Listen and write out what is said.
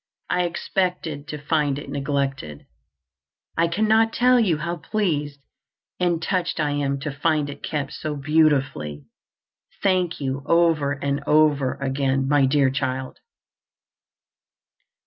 I expected to find it neglected. I cannot tell you how pleased and touched I am to find it kept so beautifully. Thank you over and over again, my dear child!"